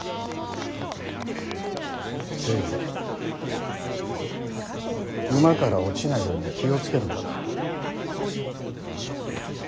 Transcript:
せいぜい馬から落ちないように気を付けるんだな。